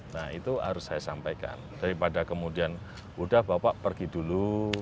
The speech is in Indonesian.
nah itu harus saya sampaikan daripada kemudian udah bapak pergi dulu